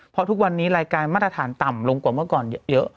เพราะทุกวันนี้รายการมาตรฐานต่ำลงกว่าเมื่อก่อนเยอะ